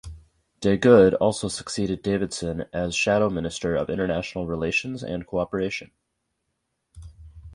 De Goede also succeeded Davidson as Shadow Minister of International Relations and Cooperation.